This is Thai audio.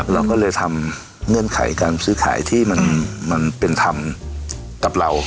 เราก็เลยทำเงื่อนไขการซื้อขายที่มันเป็นธรรมกับเรา